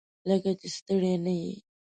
لکه چې ستړی نه یې؟